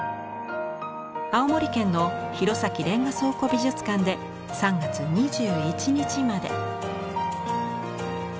青森県の弘前れんが倉庫美術館で３月２１日まで。